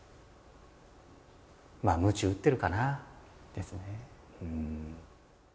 まあむち打ってるかな。ですよね。